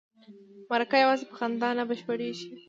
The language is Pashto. مرکه یوازې په خندا نه بشپړیږي.